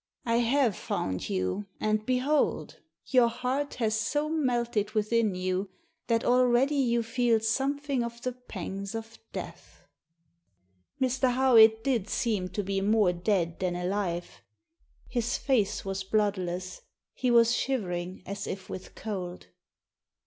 I have Digitized by VjOOQIC 12 THE SEEN AND THE UNSEEN found you, and behold, your heart has so melted within you that already you feel something of the pangs of death." Mr. Howitt did seem to be more dead than alive. His face was bloodless. He was shivering as if with cold.